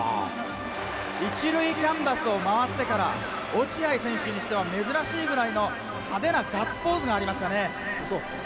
１塁キャンバスを回ってから落合選手にしては珍しいぐらいの派手なガッツポーズがありましたうそ？